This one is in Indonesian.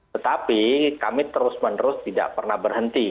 tetapi kami terus menerus tidak pernah berhenti